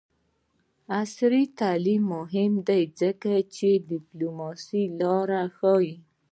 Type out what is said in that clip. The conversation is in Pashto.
عصري تعلیم مهم دی ځکه چې د ډیپلوماسۍ لارې ښيي.